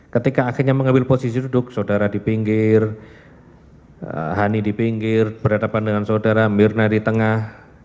ketika akhirnya mengambil posisi duduk saudara di pinggir hani di pinggir berhadapan dengan saudara mirna di tengah